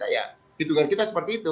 ya hitungan kita seperti itu